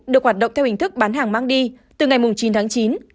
được hoạt động theo hình thức bán hàng mang đi từ ngày chín tháng chín